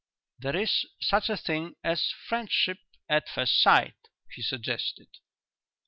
"There is such a thing as friendship at first sight," he suggested.